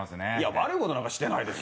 悪いことなんかしてないです。